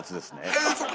ああそうか。